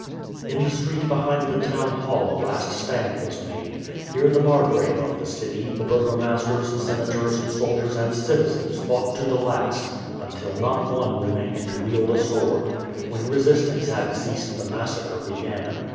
In the street behind the town hall a last stand was made. Here the margrave of the city, the burgomasters, senators, soldiers, and citizens fought to the last, until not one remained to wield a sword. When resistance had ceased the massacre began.